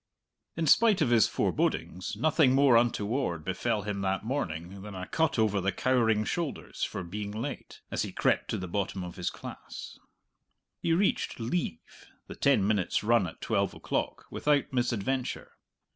In spite of his forebodings, nothing more untoward befell him that morning than a cut over the cowering shoulders for being late, as he crept to the bottom of his class. He reached "leave," the ten minutes' run at twelve o'clock, without misadventure.